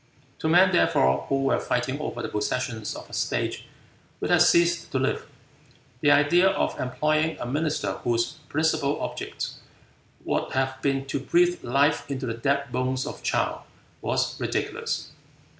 To men therefore who were fighting over the possessions of a state which had ceased to live, the idea of employing a minister whose principal object would have been to breathe life into the dead bones of Chow, was ridiculous.